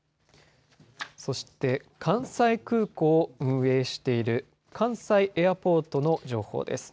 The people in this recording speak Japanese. そして、関西空港を運営している関西エアポートの情報です。